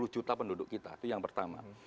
dua ratus enam puluh juta penduduk kita itu yang pertama